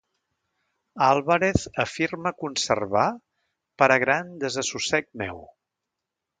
Álvarez afirma conservar, per a gran desassossec meu.